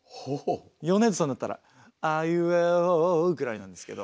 米津さんだったら「あいうえお」ぐらいなんですけど。